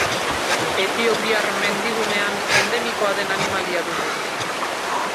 Etiopiar mendigunean endemikoa den animalia dugu.